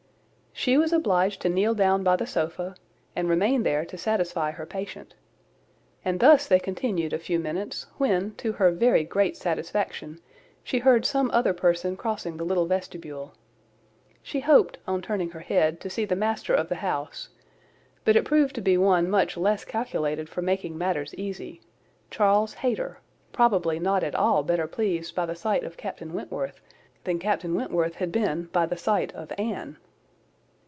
She was obliged to kneel down by the sofa, and remain there to satisfy her patient; and thus they continued a few minutes, when, to her very great satisfaction, she heard some other person crossing the little vestibule. She hoped, on turning her head, to see the master of the house; but it proved to be one much less calculated for making matters easy—Charles Hayter, probably not at all better pleased by the sight of Captain Wentworth than Captain Wentworth had been by the sight of Anne.